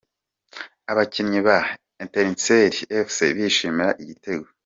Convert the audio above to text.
Abakinnyi ba Etincelles Fc bishimira igitego.